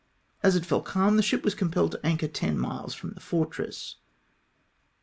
As it fell calm, the ship was compelled to anchor ten miles from the fortress.